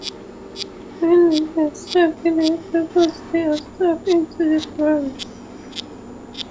When they have served their purpose they are stuck into the ground.